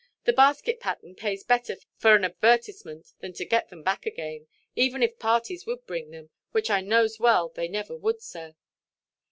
The basket–pattern pays better for an advertisement than to get them back again, even if parties would bring them, which I knows well they never would, sir."